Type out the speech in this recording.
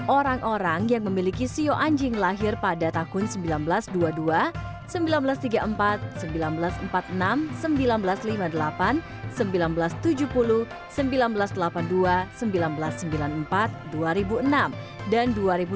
orang orang yang memiliki sio anjing lahir pada tahun seribu sembilan ratus dua puluh dua seribu sembilan ratus tiga puluh empat seribu sembilan ratus empat puluh enam seribu sembilan ratus lima puluh delapan seribu sembilan ratus tujuh puluh seribu sembilan ratus delapan puluh dua seribu sembilan ratus sembilan puluh empat dua ribu enam dan dua ribu empat